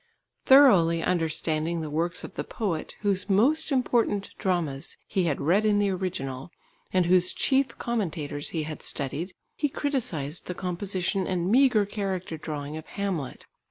Thoroughly understanding the works of the poet, whose most important dramas he had read in the original and whose chief commentators he had studied, he criticised the composition and meagre character drawing of _Hamlet.